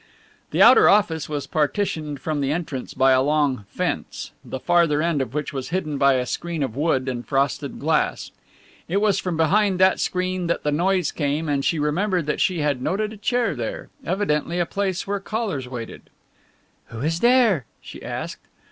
The outer office was partitioned from the entrance by a long "fence," the farther end of which was hidden by a screen of wood and frosted glass. It was from behind that screen that the noise came and she remembered that she had noted a chair there evidently a place where callers waited. "Who is there?" she asked.